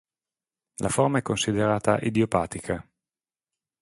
La forma è considerata idiopatica.